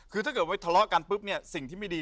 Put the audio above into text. คือถ้าเกิดว่าทะเลาะกันปุ๊บเนี่ยสิ่งที่ไม่ดี